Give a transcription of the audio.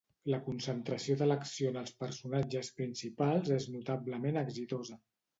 La concentració de l'acció en els personatges principals és notablement exitosa.